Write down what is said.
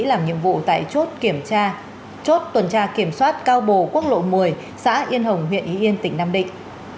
làm nhiệm vụ tại chốt tuần tra kiểm soát cao bồ quốc lộ một mươi xã yên hồng huyện y yên tỉnh nam định